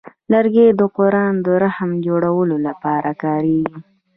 لرګی د قران د رحل جوړولو لپاره کاریږي.